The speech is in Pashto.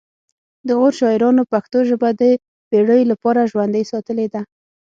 د غور شاعرانو پښتو ژبه د پیړیو لپاره ژوندۍ ساتلې ده